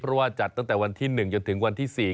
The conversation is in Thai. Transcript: เพราะว่าจัดตั้งแต่วันที่๑จนถึงวันที่๔